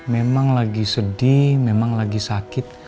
memang lagi sedih memang lagi sakit